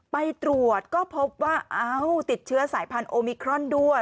ไปตรวจก็พบว่าติดเชื้อสายพันธุมิครอนด้วย